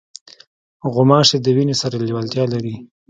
غوماشې د وینې سره لیوالتیا لري.